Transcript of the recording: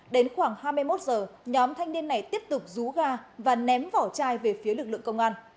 đến khoảng hai mươi một h nhóm thanh niên này tiếp tục rú ga và ném vỏ chai về phía lực lượng công an